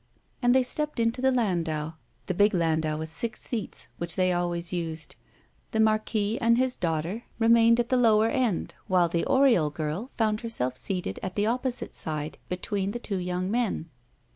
And they stepped into the landau, the big landau with six seats, which they always used. The Marquis and his daughter remained at the lower end, while the Oriol girl found herself seated at the opposite side between the two young men.